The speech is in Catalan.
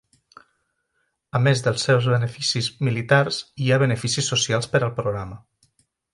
A més dels seus beneficis militars, hi ha beneficis socials per al programa.